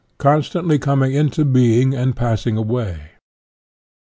SOCIALISM constantly coming into being and passing away.